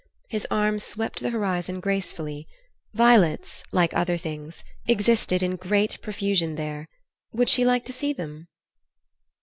His arm swept the horizon gracefully; violets, like other things, existed in great profusion there; "would she like to see them?"